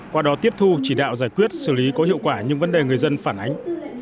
qua đó tiếp thu chỉ đạo giải quyết xử lý có hiệu quả những vấn đề người dân phản ánh